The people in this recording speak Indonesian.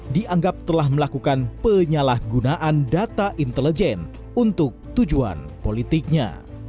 dianggap telah melakukan penyalahgunaan data intelijen untuk tujuan politiknya